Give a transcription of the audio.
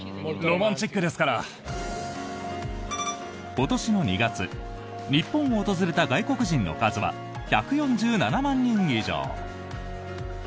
今年の２月日本を訪れた外国人の数は１４７万人以上。